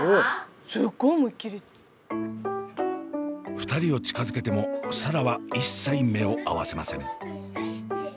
２人を近づけても紗蘭は一切目を合わせません。